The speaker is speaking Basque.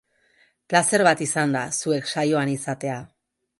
Plazer bat izan da zuek saioan izatea.